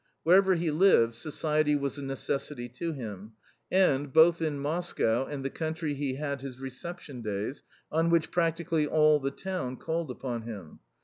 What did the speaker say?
Wherever he lived, society was a necessity to him, and, both in Moscow and the country he had his reception days, on which practically "all the town" called upon him.